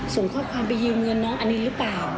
ส่งข้อความไปยืมเงินน้องอนินหรือเปล่า